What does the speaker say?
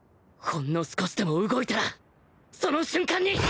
ほんの少しでも動いたらその瞬間に